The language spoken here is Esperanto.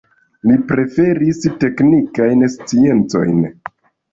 Li preferis teknikajn sciencojn.